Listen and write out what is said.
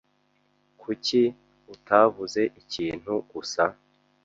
Kuki utavuze ikintu gusa?